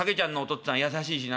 っつぁん優しいしな。